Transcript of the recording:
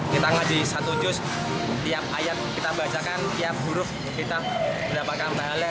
kita ngaji satu jus tiap ayat kita bacakan tiap huruf kita mendapatkan pahala